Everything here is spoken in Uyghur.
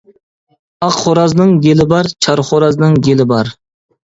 ئاق خورازنىڭ گېلى بار، چار خورازنىڭ گېلى بار.